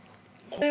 これ。